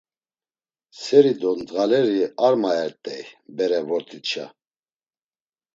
Seri do ndğaleri ar mayert̆ey bere vort̆itşa.